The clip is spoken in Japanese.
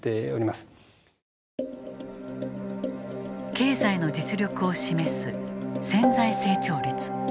経済の実力を示す潜在成長率。